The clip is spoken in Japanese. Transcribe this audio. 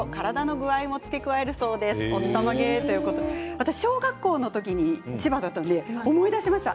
私、小学校の時に千葉県だったので思い出しました。